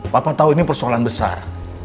papa tau ini persoalan besar